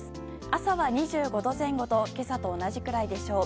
朝は２５度前後と今朝と同じくらいでしょう。